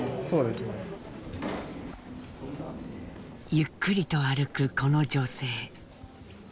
ゆっくりと歩くこの女性。